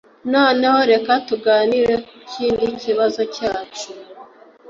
Noneho reka tuganire kukindi kibazo cyacu